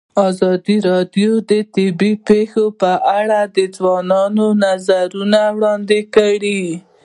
ازادي راډیو د طبیعي پېښې په اړه د ځوانانو نظریات وړاندې کړي.